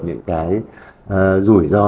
những cái rủi ro